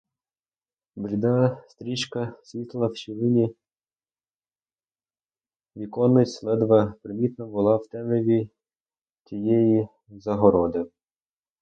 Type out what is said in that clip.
Бліда стрічка світла в щілині віконниць ледве примітна була в темряві цієї загороди.